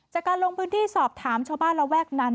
จากการลงพื้นที่สอบถามชาวบ้านระแวกนั้น